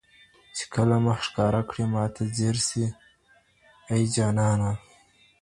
چي كله مخ ښكاره كړي ماته ځېرسي اې! جانانه